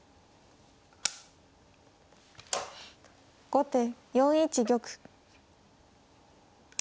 後手４一玉。